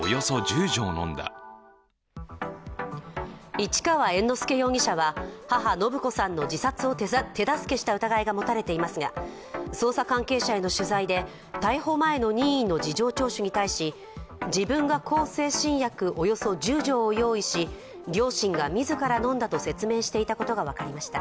市川猿之助容疑者は母・延子さんの自殺を手助けした疑いが持たれていますが、捜査関係者への取材で逮捕前の任意の事情聴取に対し自分が向精神薬およそ１０錠を用意し両親が自ら飲んだと説明していたことが分かりました。